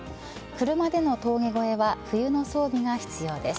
車での峠越えは冬の装備が必要です。